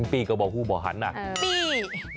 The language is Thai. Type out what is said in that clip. ปี้ก็บอกหู้บ่อหันนะปี้